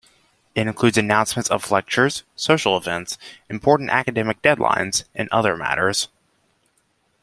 It includes announcements of lectures, social events, important academic deadlines, and other matters.